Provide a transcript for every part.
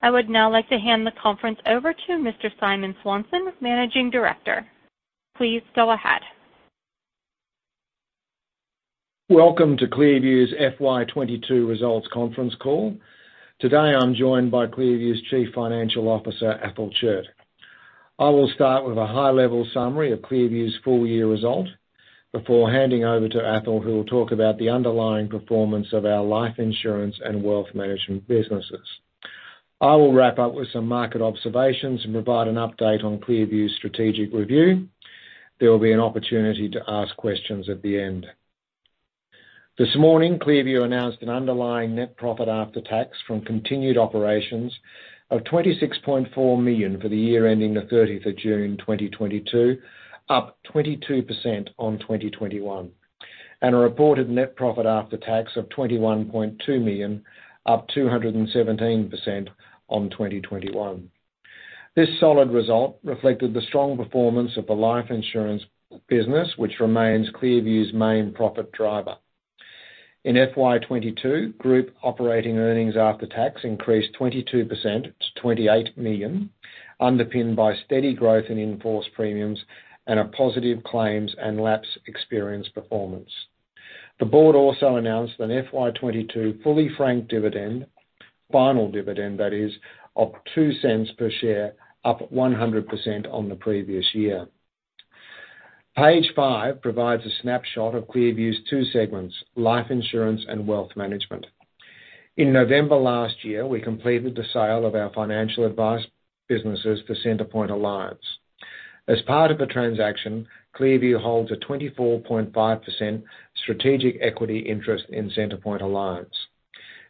I would now like to hand the conference over to Mr. Simon Swanson, Managing Director. Please go ahead. Welcome to ClearView's FY 2022 results conference call. Today, I'm joined by ClearView's Chief Financial Officer, Athol Chiert. I will start with a high-level summary of ClearView's full-year result before handing over to Athol, who will talk about the underlying performance of our life insurance and wealth management businesses. I will wrap up with some market observations and provide an update on ClearView's strategic review. There will be an opportunity to ask questions at the end. This morning, ClearView announced an underlying net profit after tax from continued operations of 26.4 million for the year ending the 30th of June 2022, up 22% on 2021. A reported net profit after tax of 21.2 million, up 217% on 2021. This solid result reflected the strong performance of the life insurance business, which remains ClearView's main profit driver. In FY 2022, group operating earnings after tax increased 22% to 28 million, underpinned by steady growth in in-force premiums and a positive claims and lapse experience performance. The board also announced an FY 2022 fully franked dividend, final dividend that is, of 0.02 per share, up 100% on the previous year. Page five provides a snapshot of ClearView's two segments, life insurance and wealth management. In November last year, we completed the sale of our financial advice businesses to Centrepoint Alliance. As part of the transaction, ClearView holds a 24.5% strategic equity interest in Centrepoint Alliance.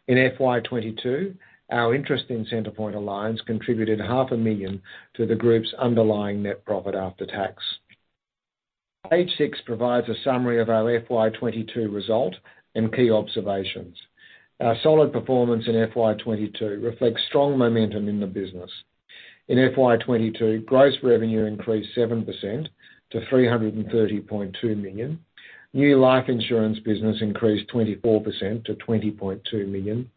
In FY 2022, our interest in Centrepoint Alliance contributed AUD half a million to the group's underlying net profit after tax. Page six provides a summary of our FY 2022 result and key observations. Our solid performance in FY 2022 reflects strong momentum in the business. In FY 2022, gross revenue increased 7% to 330.2 million. New life insurance business increased 24% to 20.2 million,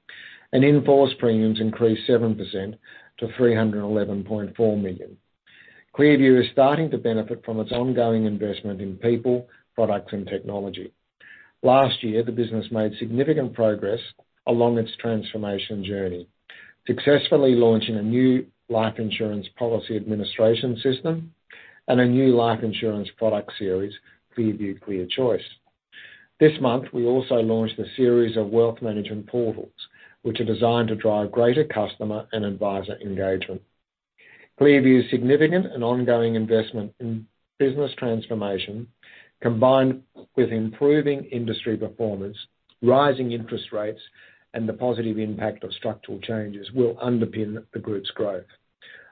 and in-force premiums increased 7% to 311.4 million. ClearView is starting to benefit from its ongoing investment in people, products, and technology. Last year, the business made significant progress along its transformation journey, successfully launching a new life insurance policy administration system and a new life insurance product series, ClearView ClearChoice. This month, we also launched a series of wealth management portals, which are designed to drive greater customer and advisor engagement. ClearView's significant and ongoing investment in business transformation, combined with improving industry performance, rising interest rates, and the positive impact of structural changes, will underpin the group's growth.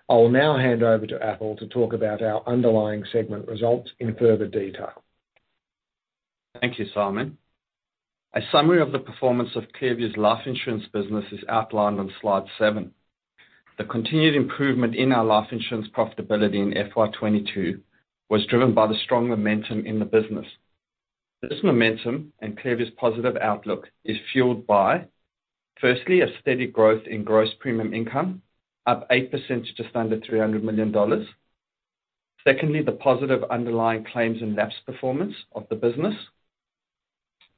I will now hand over to Athol to talk about our underlying segment results in further detail. Thank you, Simon. A summary of the performance of ClearView's life insurance business is outlined on slide seven. The continued improvement in our life insurance profitability in FY 2022 was driven by the strong momentum in the business. This momentum and ClearView's positive outlook is fueled by, firstly, a steady growth in gross premium income, up 8% to just under 300 million dollars. Secondly, the positive underlying claims and lapse performance of the business.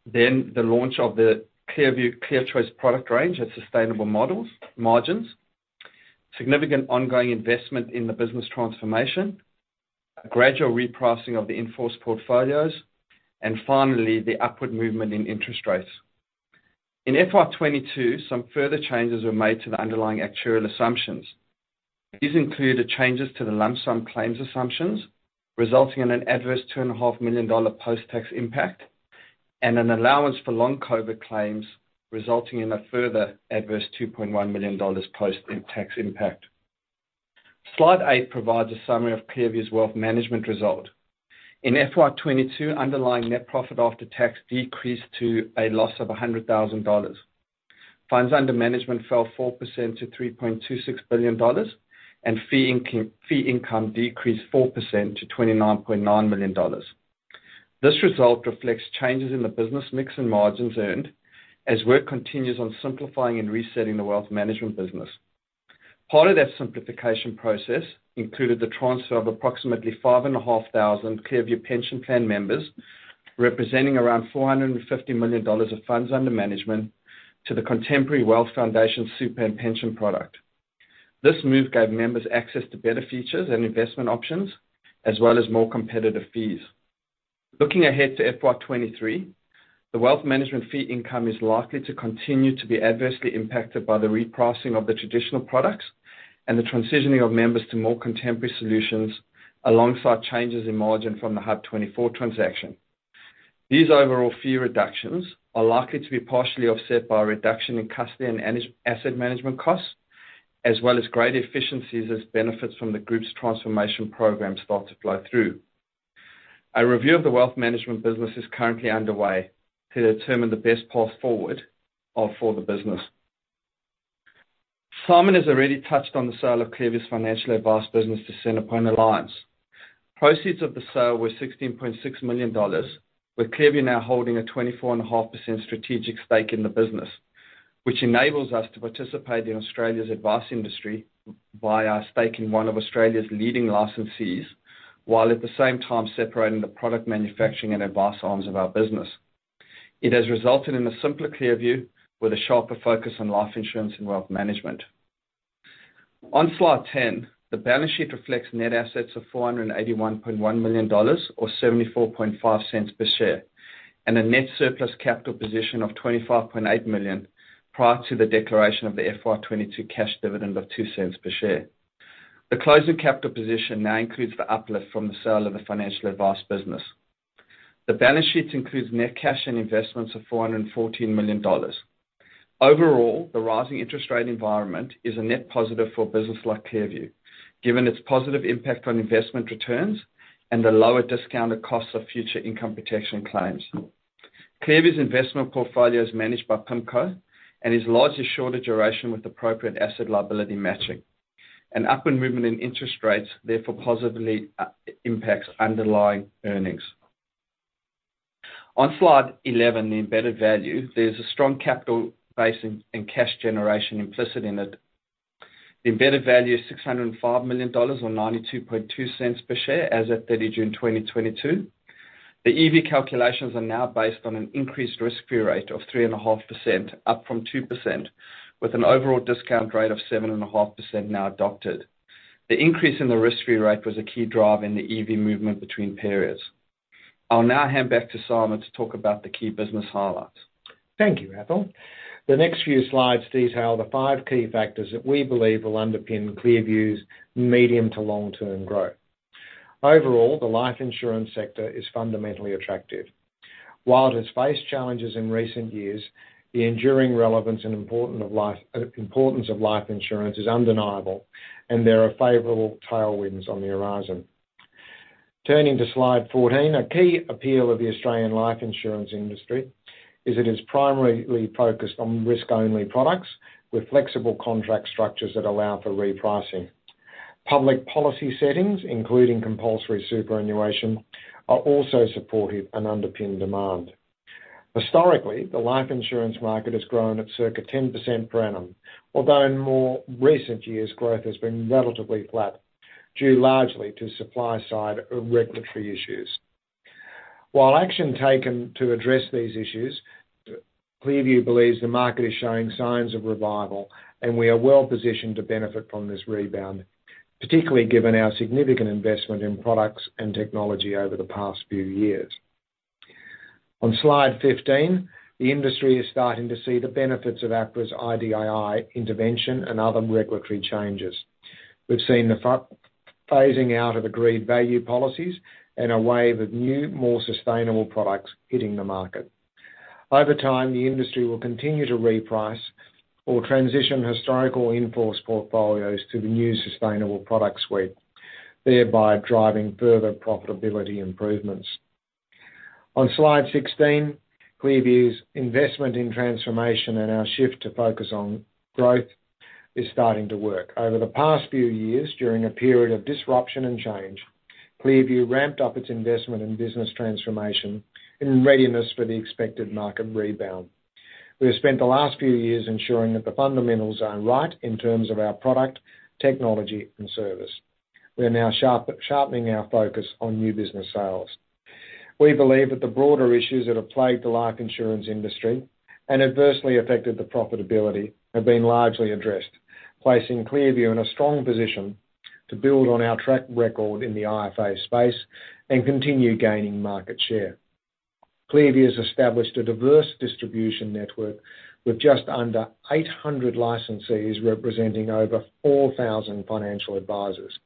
The launch of the ClearView ClearChoice product range at sustainable model margins. Significant ongoing investment in the business transformation. Gradual repricing of the in-force portfolios. Finally, the upward movement in interest rates. In FY 2022, some further changes were made to the underlying actuarial assumptions. These included changes to the lump sum claims assumptions, resulting in an adverse two and a half million dollars post-tax impact, and an allowance for long COVID claims, resulting in a further adverse 2.1 million dollars post-tax impact. Slide eight provides a summary of ClearView's wealth management result. In FY 2022, underlying net profit after tax decreased to a loss of 100,000 dollars. Funds under management fell 4% to 3.26 billion dollars, and fee income decreased 4% to 29.9 million dollars. This result reflects changes in the business mix and margins earned as work continues on simplifying and resetting the wealth management business. Part of that simplification process included the transfer of approximately 5,500 ClearView Pension Plan members, representing around 450 million dollars of funds under management to ClearView WealthFoundations. This move gave members access to better features and investment options, as well as more competitive fees. Looking ahead to FY 2023, the wealth management fee income is likely to continue to be adversely impacted by the repricing of the traditional products and the transitioning of members to more contemporary solutions alongside changes in margin from the HUB24 transaction. These overall fee reductions are likely to be partially offset by a reduction in custody and asset management costs, as well as greater efficiencies as benefits from the group's transformation program start to flow through. A review of the wealth management business is currently underway to determine the best path forward, for the business. Simon has already touched on the sale of ClearView's financial advice business to Centrepoint Alliance. Proceeds of the sale were 16.6 million dollars, with ClearView now holding a 24.5% strategic stake in the business, which enables us to participate in Australia's advice industry by our stake in one of Australia's leading licensees, while at the same time separating the product manufacturing and advice arms of our business. It has resulted in a simpler ClearView, with a sharper focus on life insurance and wealth management. On slide 10, the balance sheet reflects net assets of 481.1 million dollars or 0.745 per share, and a net surplus capital position of 25.8 million prior to the declaration of the FY 2022 cash dividend of 0.02 per share. The closing capital position now includes the uplift from the sale of the financial advice business. The balance sheet includes net cash and investments of 414 million dollars. Overall, the rising interest rate environment is a net positive for business like ClearView, given its positive impact on investment returns and the lower discounted costs of future income protection claims. ClearView's investment portfolio is managed by PIMCO and is largely shorter duration with appropriate asset liability matching. An upward movement in interest rates therefore positively impacts underlying earnings. On slide 11, the embedded value, there's a strong capital base and cash generation implicit in it. The embedded value is 605 million dollars or 0.922 per share as at 30 June 2022. The EV calculations are now based on an increased risk-free rate of 3.5%, up from 2%, with an overall discount rate of 7.5% now adopted. The increase in the risk-free rate was a key driver in the EV movement between periods. I'll now hand back to Simon to talk about the key business highlights. Thank you, Athol. The next few slides detail the five key factors that we believe will underpin ClearView's medium to long-term growth. Overall, the life insurance sector is fundamentally attractive. While it has faced challenges in recent years, the enduring relevance and importance of life insurance is undeniable, and there are favorable tailwinds on the horizon. Turning to slide 14, a key appeal of the Australian life insurance industry is it is primarily focused on risk-only products with flexible contract structures that allow for repricing. Public policy settings, including compulsory superannuation, are also supportive and underpin demand. Historically, the life insurance market has grown at circa 10% per annum, although in more recent years, growth has been relatively flat, due largely to supply-side regulatory issues. While action taken to address these issues, ClearView believes the market is showing signs of revival, and we are well-positioned to benefit from this rebound, particularly given our significant investment in products and technology over the past few years. On slide 15, the industry is starting to see the benefits of APRA's IDII intervention and other regulatory changes. We've seen the phasing out of agreed value policies and a wave of new, more sustainable products hitting the market. Over time, the industry will continue to reprice or transition historical in-force portfolios to the new sustainable product suite, thereby driving further profitability improvements. On slide 16, ClearView's investment in transformation and our shift to focus on growth is starting to work. Over the past few years, during a period of disruption and change, ClearView ramped up its investment in business transformation in readiness for the expected market rebound. We have spent the last few years ensuring that the fundamentals are right in terms of our product, technology, and service. We are now sharpening our focus on new business sales. We believe that the broader issues that have plagued the life insurance industry and adversely affected the profitability have been largely addressed, placing ClearView in a strong position to build on our track record in the IFA space and continue gaining market share. ClearView has established a diverse distribution network with just under 800 licensees representing over 4,000 financial advisors.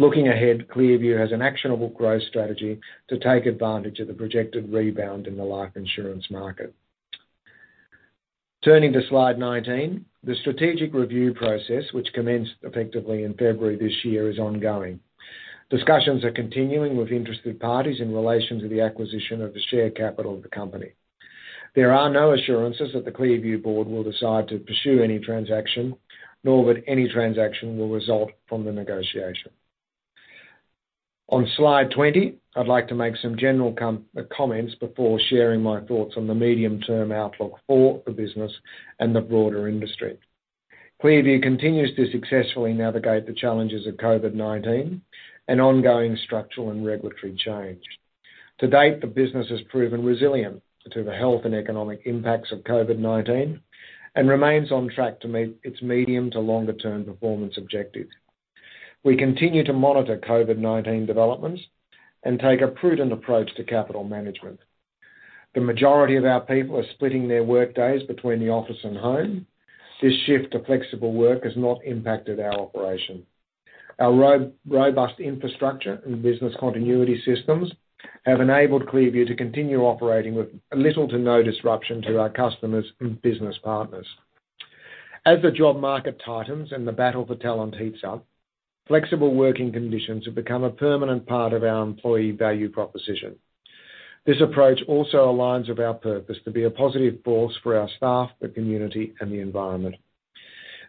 Looking ahead, ClearView has an actionable growth strategy to take advantage of the projected rebound in the life insurance market. Turning to slide 19, the strategic review process, which commenced effectively in February this year, is ongoing. Discussions are continuing with interested parties in relation to the acquisition of the share capital of the company. There are no assurances that the ClearView board will decide to pursue any transaction, nor that any transaction will result from the negotiation. On slide 20, I'd like to make some general comments before sharing my thoughts on the medium-term outlook for the business and the broader industry. ClearView continues to successfully navigate the challenges of COVID-19 and ongoing structural and regulatory change. To date, the business has proven resilient to the health and economic impacts of COVID-19 and remains on track to meet its medium to longer term performance objectives. We continue to monitor COVID-19 developments and take a prudent approach to capital management. The majority of our people are splitting their work days between the office and home. This shift to flexible work has not impacted our operation. Our robust infrastructure and business continuity systems have enabled ClearView to continue operating with little to no disruption to our customers and business partners. As the job market tightens and the battle for talent heats up, flexible working conditions have become a permanent part of our employee value proposition. This approach also aligns with our purpose to be a positive force for our staff, the community, and the environment.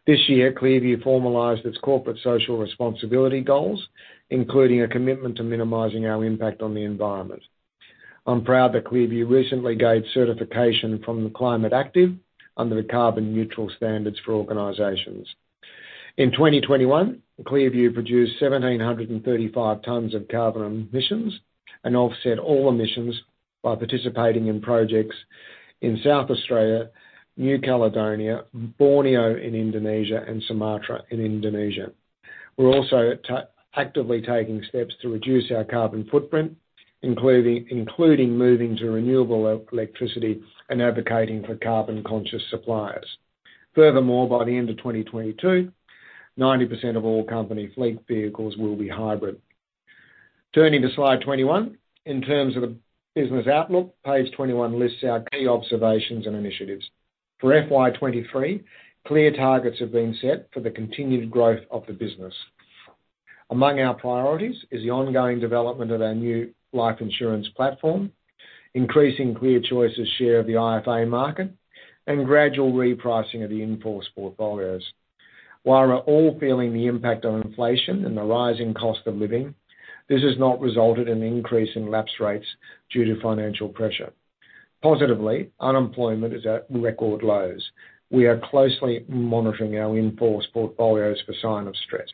This year, ClearView formalized its corporate social responsibility goals, including a commitment to minimizing our impact on the environment. I'm proud that ClearView recently gained certification from the Climate Active under the carbon-neutral standards for organizations. In 2021, ClearView produced 1,735 tons of carbon emissions and offset all emissions by participating in projects in South Australia, New Caledonia, Borneo in Indonesia, and Sumatra in Indonesia. We're also actively taking steps to reduce our carbon footprint, including moving to renewable electricity and advocating for carbon-conscious suppliers. Furthermore, by the end of 2022, 90% of all company fleet vehicles will be hybrid. Turning to slide 21. In terms of the business outlook, page 21 lists our key observations and initiatives. For FY 2023, clear targets have been set for the continued growth of the business. Among our priorities is the ongoing development of our new life insurance platform, increasing ClearChoice's share of the IFA market, and gradual repricing of the in-force portfolios. While we're all feeling the impact of inflation and the rising cost of living, this has not resulted in an increase in lapse rates due to financial pressure. Positively, unemployment is at record lows. We are closely monitoring our in-force portfolios for sign of stress.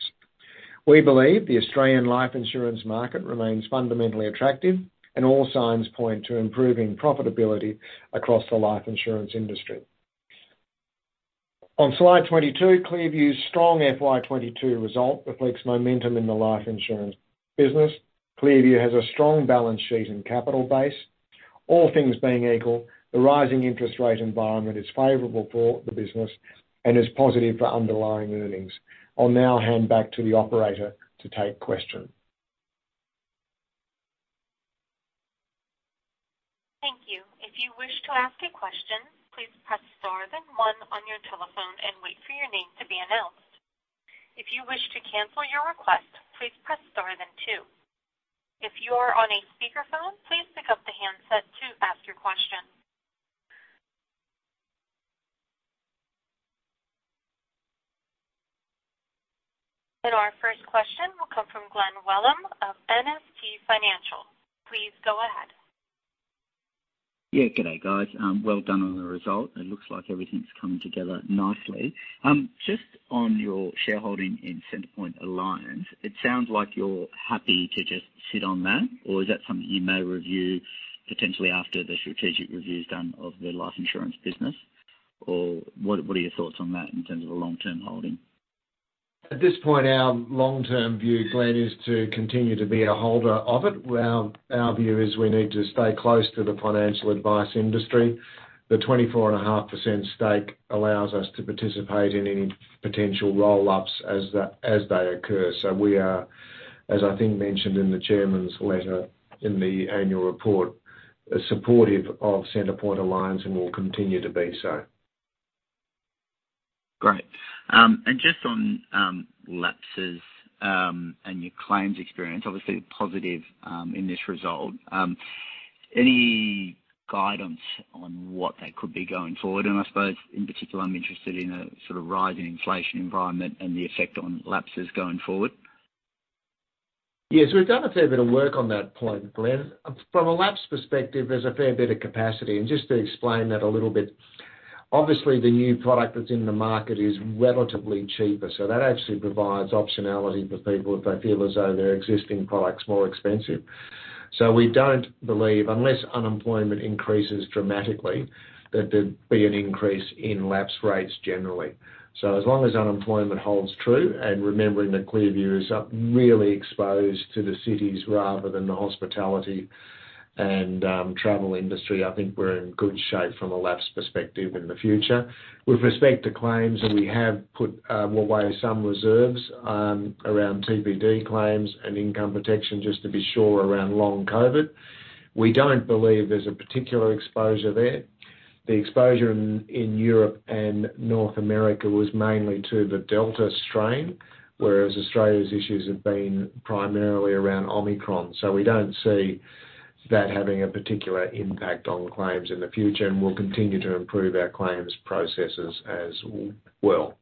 We believe the Australian life insurance market remains fundamentally attractive, and all signs point to improving profitability across the life insurance industry. On slide 22, ClearView's strong FY 22 result reflects momentum in the life insurance business. ClearView has a strong balance sheet and capital base. All things being equal, the rising interest rate environment is favorable for the business and is positive for underlying earnings. I'll now hand back to the operator to take questions. Thank you. If you wish to ask a question, please press star then one on your telephone and wait for your name to be announced. If you wish to cancel your request, please press star then two. If you're on a speakerphone, please pick up the handset to ask your question. Our first question will come from Glenn Wellham of MST Financial. Please go ahead. Yeah, good day, guys. Well done on the result. It looks like everything's coming together nicely. Just on your shareholding in Centrepoint Alliance, it sounds like you're happy to just sit on that, or is that something you may review potentially after the strategic review is done of the life insurance business? Or what are your thoughts on that in terms of the long-term holding? At this point, our long-term view, Glenn, is to continue to be a holder of it. Our view is we need to stay close to the financial advice industry. The 24.5% stake allows us to participate in any potential roll-ups as they occur. We are, as I think mentioned in the chairman's letter in the annual report, supportive of Centrepoint Alliance and will continue to be so. Great. Just on lapses and your claims experience, obviously positive in this result. Any guidance on what that could be going forward? I suppose in particular, I'm interested in a sort of rising inflation environment and the effect on lapses going forward. Yes, we've done a fair bit of work on that point, Glenn. From a lapse perspective, there's a fair bit of capacity. Just to explain that a little bit, obviously the new product that's in the market is relatively cheaper, so that actually provides optionality for people if they feel as though their existing product's more expensive. We don't believe, unless unemployment increases dramatically, that there'd be an increase in lapse rates generally. As long as unemployment holds true, and remembering that ClearView is really exposed to the cities rather than the hospitality and travel industry, I think we're in good shape from a lapse perspective in the future. With respect to claims, we have put away some reserves around TPD claims and income protection just to be sure around long COVID. We don't believe there's a particular exposure there. The exposure in Europe and North America was mainly to the Delta strain, whereas Australia's issues have been primarily around Omicron. We don't see that having a particular impact on claims in the future, and we'll continue to improve our claims processes as well.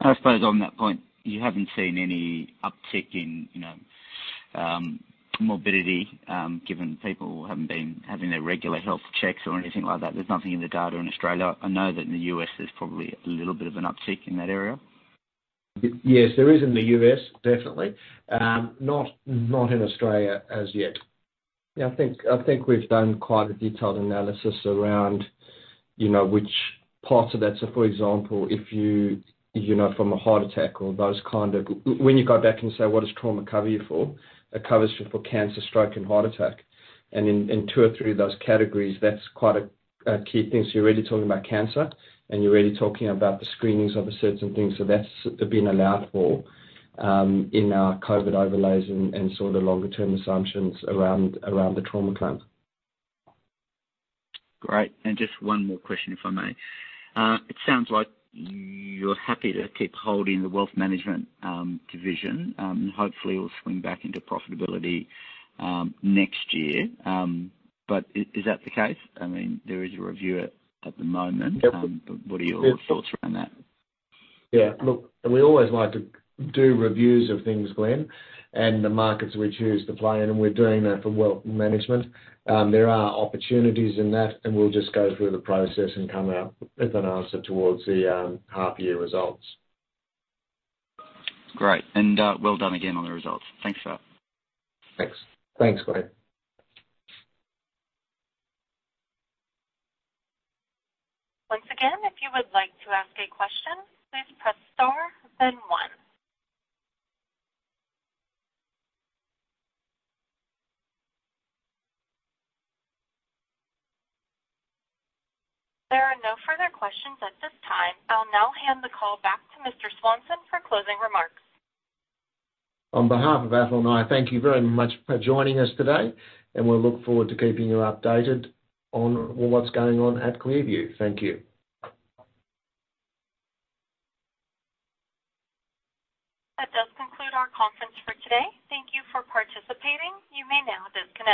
I suppose on that point, you haven't seen any uptick in, you know, morbidity, given people haven't been having their regular health checks or anything like that. There's nothing in the data in Australia. I know that in the U.S. there's probably a little bit of an uptick in that area. Yes, there is in the U.S., definitely. Not in Australia as yet. Yeah, I think we've done quite a detailed analysis around you know which parts of that. For example, if you you know from a heart attack or those kind of. When you go back and say, what does trauma cover you for? It covers you for cancer, stroke, and heart attack. In two or three of those categories, that's quite a key thing. You're really talking about cancer, and you're really talking about the screenings of certain things. That's been allowed for in our COVID overlays and sort of longer term assumptions around the trauma claim. Great. Just one more question, if I may. It sounds like you're happy to keep holding the wealth management division. Hopefully it will swing back into profitability next year. But is that the case? I mean, there is a review at the moment. Yep. What are your thoughts around that? Yeah. Look, we always like to do reviews of things, Glenn, and the markets we choose to play in, and we're doing that for wealth management. There are opportunities in that, and we'll just go through the process and come out with an answer towards the half year results. Great. Well done again on the results. Thanks for that. Thanks. Thanks, Glenn. Once again, if you would like to ask a question, please press star then one. There are no further questions at this time. I'll now hand the call back to Mr. Swanson for closing remarks. On behalf of Athol Chiert and I, thank you very much for joining us today, and we'll look forward to keeping you updated on what's going on at ClearView. Thank you. That does conclude our conference for today. Thank you for participating. You may now disconnect.